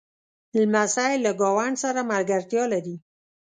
لمسی له ګاونډ سره ملګرتیا لري.